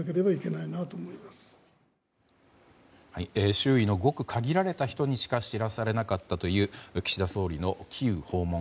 周囲のごく限られた人にしか知らされなかったという岸田総理のキーウ訪問。